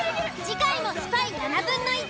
次回もスパイ７分の１。